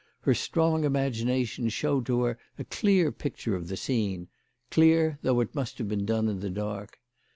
Her strong imagination showed to her a clear picture of the scene, clear, though it must have been done in the dark.